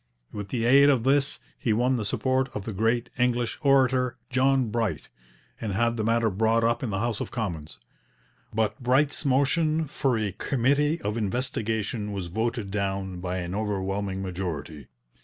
With the aid of this he won the support of the great English orator, John Bright, and had the matter brought up in the House of Commons. But Bright's motion for a committee of investigation was voted down by an overwhelming majority.